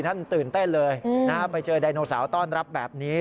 ตื่นเต้นเลยไปเจอไดโนเสาร์ต้อนรับแบบนี้